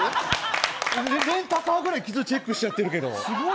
レンタカーくらい、傷チェックしてるけど。